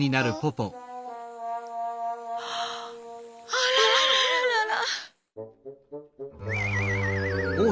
あらららららら。